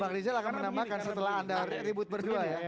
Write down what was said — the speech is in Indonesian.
bang rizal akan menambahkan setelah anda ribut berdua ya